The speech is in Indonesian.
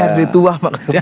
prd tua pak